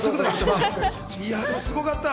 すごかった。